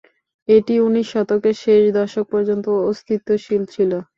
এটি উনিশ শতকের শেষ দশক পর্যন্ত অস্তিত্বশীল ছিল।